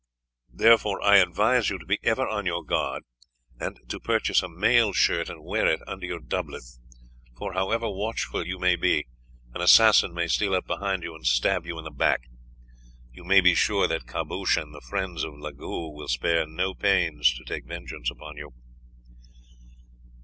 Therefore I advise you to be ever on your guard, and to purchase a mail shirt and wear it under your doublet; for, however watchful you may be, an assassin may steal up behind you and stab you in the back. You may be sure that Caboche and the friends of Legoix will spare no pains to take vengeance upon you."